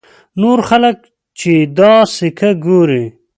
نور خلک چې دا سکه ګوري.